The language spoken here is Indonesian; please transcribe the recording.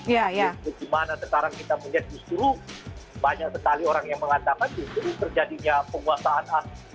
bagaimana sekarang kita melihat justru banyak sekali orang yang mengatakan justru terjadinya penguasaan asli